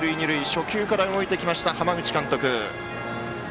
初球から動いてきました浜口監督。